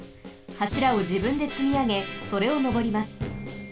はしらをじぶんでつみあげそれをのぼります。